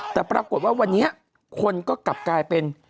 แต่ปรากฏว่าวันนี้คนก็กลับกลายเป็น